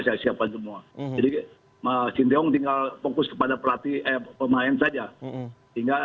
saya serahkan kepada pelatih sinteyong